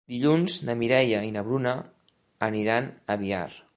Dilluns na Mireia i na Bruna aniran a Biar.